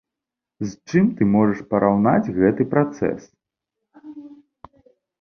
З чым ты можаш параўнаць гэты працэс?